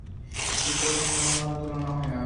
ঈশ্বরের সঙ্গে অন্য কাহারও তুলনা হয় না।